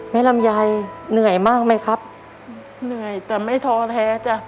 ลำไยเหนื่อยมากไหมครับเหนื่อยแต่ไม่ท้อแท้จ้ะ